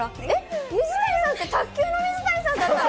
水谷さんって卓球の水谷さんだったの？